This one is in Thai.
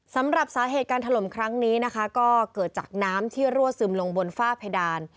สำหรับสาเหตุการถล่มครั้งนี้นะคะก็เกิดจากน้ำที่รั่วซึมลงบนฝ้าเพดาน